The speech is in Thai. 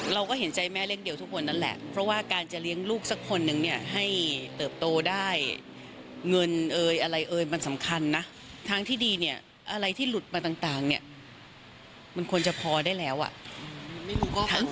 เราก็เห็นใจแม่เล็กเดียวทุกคนนั่นแหละเพราะว่าการจะเลี้ยงลูกสักคนนึงเนี่ยให้เติบโตได้เงินเอ่ยอะไรเอ่ยมันสำคัญนะทางที่ดีเนี่ยอะไรที่หลุดมาต่างเนี่ยมันควรจะพอได้แล้วอ่ะ